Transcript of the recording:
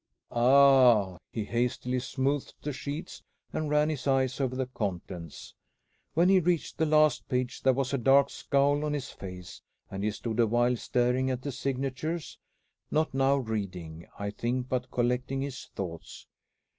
"Ah!" He hastily smoothed the sheets, and ran his eyes over their contents. When he reached the last page there was a dark scowl on his face, and he stood a while staring at the signatures; not now reading, I think, but collecting his thoughts.